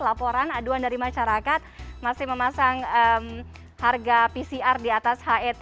laporan aduan dari masyarakat masih memasang harga pcr di atas het